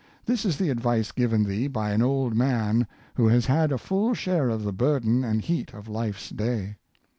This is the advice given thee by an old man, who has had a full share of the burden and heat of life's day.